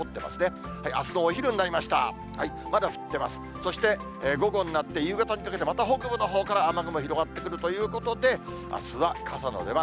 そして午後になって、夕方にかけてまた北部のほうから雨雲広がってくるということで、あすは傘の出番。